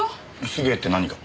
すげえって何が？